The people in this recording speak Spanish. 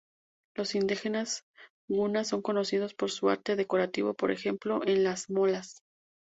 Los indígenas guna son conocidos por su arte decorativo, por ejemplo, en las molas.